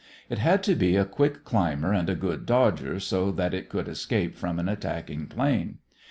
It had to be a quick climber and a good dodger, so that it could escape from an attacking plane.